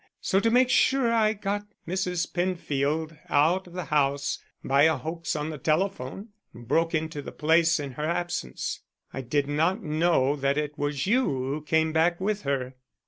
So to make sure I got Mrs. Penfield out of the house by a hoax on the telephone and broke into the place in her absence. I did not know that it was you who came back with her."